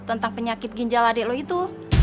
tentang penyakit ginjal adik lo itu